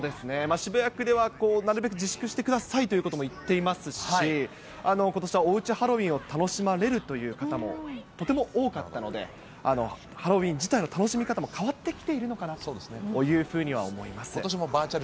渋谷区では、なるべく自粛してくださいということもいっていますし、ことしはおうちハロウィーンを楽しまれるという方も、とても多かったので、ハロウィーン自体の楽しみ方も変わってきているのかなというふうことしもバーチャル